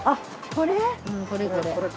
これ、これ。